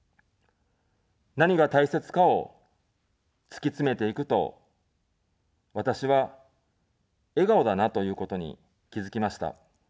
何が大切かを突き詰めていくと、私は、笑顔だなということに気付きました。